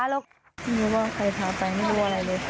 จริงว่าใครถามไปไม่รู้อะไรเลย